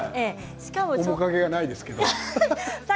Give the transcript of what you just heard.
面影がないですけど。